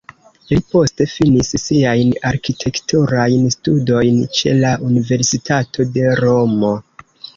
Li poste finis siajn arkitekturajn studojn ĉe la Universitato de Romo.